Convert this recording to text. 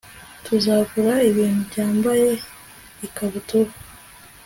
tuzagura ibintu byambaye ikabutura